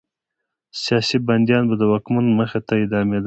سیاسي بندیان به د واکمن مخې ته اعدامېدل.